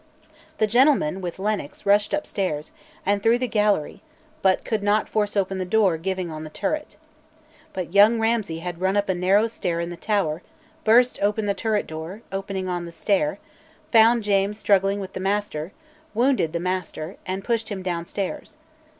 The gentlemen, with Lennox, rushed upstairs, and through the gallery, but could not force open the door giving on the turret. But young Ramsay had run up a narrow stair in the tower, burst open the turret door opening on the stair, found James struggling with the Master, wounded the Master, and pushed him downstairs.